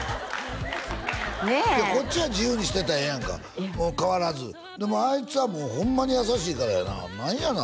ねえこっちは自由にしてたらええやんか変わらずでもあいつはもうホンマに優しいからな何やの？